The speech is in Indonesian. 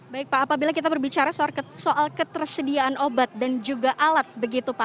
baik pak apabila kita berbicara soal ketersediaan obat dan juga alat begitu pak